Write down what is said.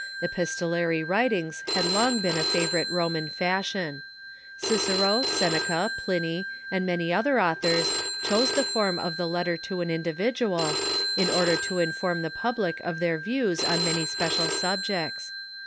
Epistolary writings ^.f,'?!"'*''' liatl Jong been a favorite Roman fashion. Cicero, Writinos Seneca, Pliny, and many other authors chose the form of the letter to an individual, in order to inform the public of their views on many special subjects.